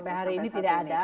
sampai hari ini tidak ada